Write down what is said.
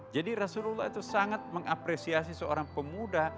jadi rasulullah itu sangat mengapresiasi seorang pemuda